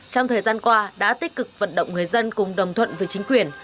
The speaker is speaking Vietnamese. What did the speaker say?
trong thời gian qua đã tích cực vận động người dân cùng đồng thuận với chính quyền